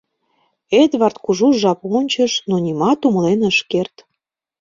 Эдвард кужу жап ончыш, но нимат умылен ыш керт.